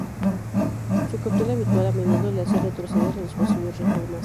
Su cautela habitual a menudo le hacía retroceder a las posibles reformas.